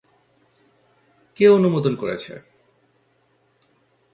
কে অনুমোদন করেছে?